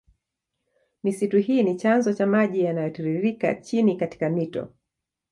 Misitu hii ni chanzo cha maji yanayotiririke chini katika mito